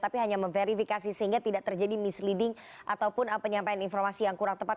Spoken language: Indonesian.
tapi hanya memverifikasi sehingga tidak terjadi misleading ataupun penyampaian informasi yang kurang tepat